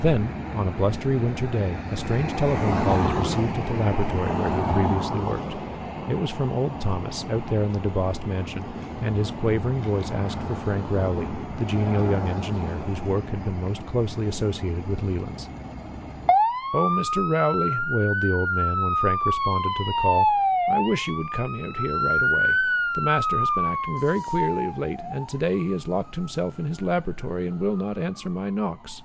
Then, on a blustery winter day, a strange telephone call was received at the laboratory where he had previously worked. It was from old Thomas, out there in the DeBost mansion, and his quavering voice asked for Frank Rowley, the genial young engineer whose work had been most closely associated with Leland's. "Oh, Mr. Rowley," wailed the old man, when Frank responded to the call, "I wish you would come out here right away. The master has been acting very queerly of late, and to day he has locked himself in his laboratory and will not answer my knocks."